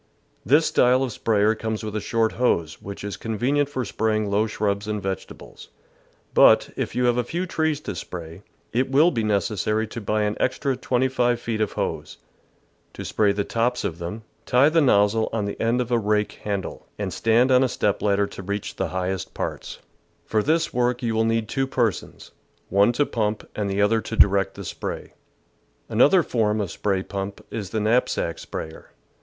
This style of sprayer comes with a short hose, which is convenient for spraying low shrubs and vegetables ; but, if you have a few trees to spray, it will be necessary to buy an extra twenty five feet of hose. To spray the tops of them, tie the nozzle on the end of a rake handle, and stand on a step ladder to reach the highest parts. THE VEGETABLE GARDEN For this work you will need two persons — one to pump and the other to direct the spray. Another form of spray pump is the knapsack sprayer.